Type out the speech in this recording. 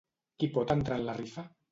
Qui pot entrar en la rifa?